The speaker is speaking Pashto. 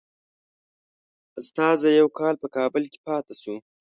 استازی یو کال په کابل کې پاته شو.